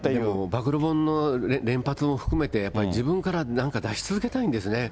暴露本の連発も含めて、やっぱり自分からなんか出し続けたいんですね。